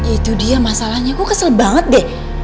itu dia masalahnya kok kesel banget deh